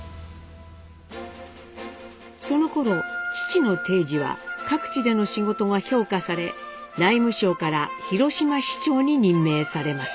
そのころ父の貞次は各地での仕事が評価され内務省から広島市長に任命されます。